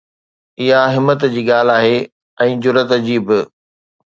اها همت جي ڳالهه آهي ۽ جرئت جي به.